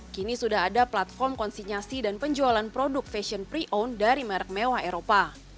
kini sudah ada platform konsignasi dan penjualan produk fashion pre on dari merek mewah eropa